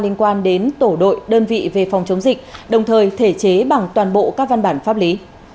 liên quan đến tổ đội đơn vị về phòng chống dịch đồng thời thể chế bằng toàn bộ các văn bản pháp lý